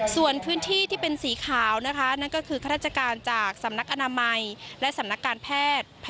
ส่วนพื้นที่ที่เป็นสีขาวนะคะนั่นก็คือข้าราชการจากสำนักอนามัยและสำนักการแพทย์